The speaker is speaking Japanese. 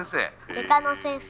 外科の先生。